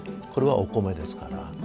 これはお米ですから。